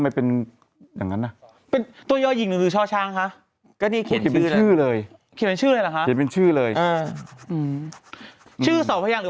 ไม่ปากกาสิ